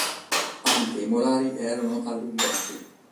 Anche i molari erano allungati.